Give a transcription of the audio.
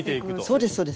そうですそうです。